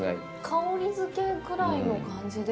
香りづけぐらいの感じで。